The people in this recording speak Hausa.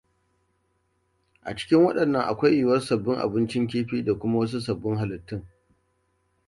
A cikin waɗannan akwai yiwuwar sabbin abincin kifi da kuma wasu sabbin halittun.